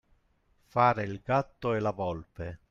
Fare il gatto e la volpe.